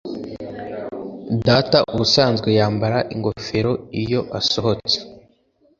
Data ubusanzwe yambara ingofero iyo asohotse